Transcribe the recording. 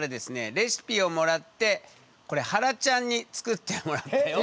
レシピをもらってこれはらちゃんに作ってもらったよ。